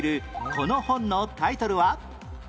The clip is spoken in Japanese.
この本のタイトルは？